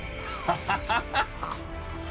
ハハハハハ！